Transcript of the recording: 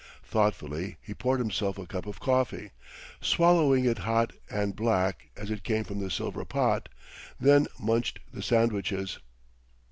Thoughtfully he poured himself a cup of coffee, swallowing it hot and black as it came from the silver pot; then munched the sandwiches.